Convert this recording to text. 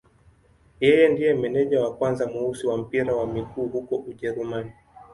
Yeye ndiye meneja wa kwanza mweusi wa mpira wa miguu huko Ujerumani.